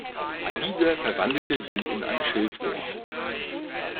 Dieser verwandelte sie in ein Schilfrohr.